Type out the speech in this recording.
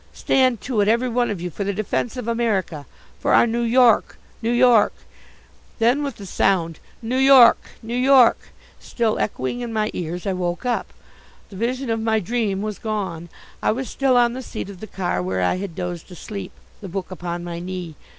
Stand to it, every one of you for the defence of America for our New York, New York " Then, with the sound "New York, New York" still echoing in my ears I woke up. The vision of my dream was gone. I was still on the seat of the car where I had dozed asleep, the book upon my knee.